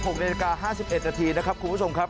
๑๖น๕๑นคุณผู้ชมครับ